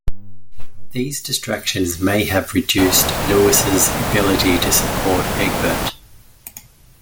These distractions may have reduced Louis's ability to support Egbert.